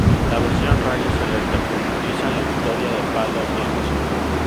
La versión Rayo Celeste profundiza en la historia de Paolo Bianchi.